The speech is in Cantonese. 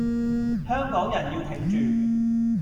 香港人要挺著